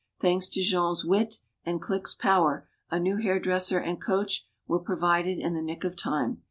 Thanks to Jean's wit and clique's power, a new hairdresser and coach were provided in the nick of time.